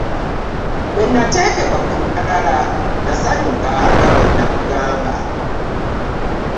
Bwe nateekebwa ku lukalala nasanyuka nga bwe nnakugamba